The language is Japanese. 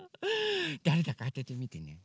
だれだかあててみてね。